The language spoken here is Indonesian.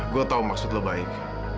gue tau maksud lu baik